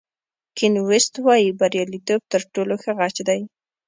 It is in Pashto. کین ویست وایي بریالیتوب تر ټولو ښه غچ دی.